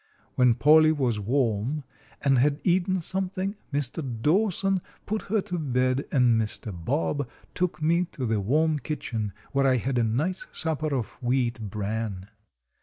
When Polly was warm and had eaten something, Mr. Dawson put her to bed, and Mr. Bob took me to the warm kitchen, where I had a nice supper of wheat bran.